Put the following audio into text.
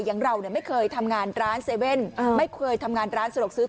อย่างเราไม่เคยทำงานร้าน๗๑๑ไม่เคยทำงานร้านสะดวกซื้อ